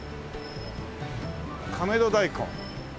「亀戸大根」